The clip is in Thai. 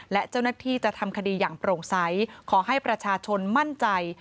และเจ้าหน้าที่จะทำคดีอย่างโปร่งใสขอให้ประชาชนมั่นใจ